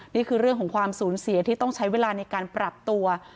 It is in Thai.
นี่คือเรื่องของความสูญเสียที่ต้องใช้เวลาในการปรับตัว